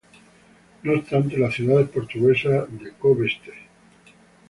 No obstante, las ciudades portuguesas de Cove-St.